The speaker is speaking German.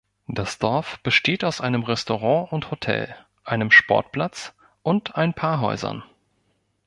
Das Dorf besteht aus einem Restaurant und Hotel, einem Sportplatz, und ein paar Häusern.